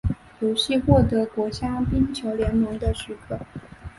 游戏获得国家冰球联盟的许可。